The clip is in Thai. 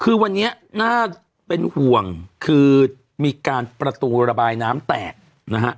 คือวันนี้น่าเป็นห่วงคือมีการประตูระบายน้ำแตกนะฮะ